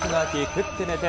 食って寝て！